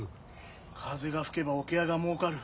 「風が吹けば桶屋がもうかる」。